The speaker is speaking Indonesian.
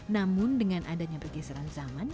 namun dengan adanya pergeseran zaman